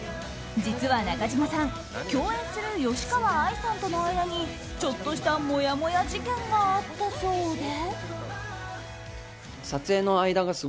実は中島さん、共演する吉川愛さんとの間にちょっとしたもやもや事件があったそうで。